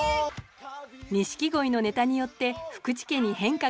・錦鯉のネタによって福池家に変化が生まれたお話。